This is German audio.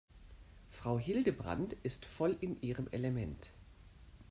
Frau Hildebrand ist voll in ihrem Element.